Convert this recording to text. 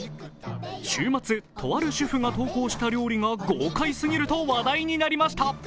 週末、とある主婦が投稿した料理が豪快すぎると話題になりました。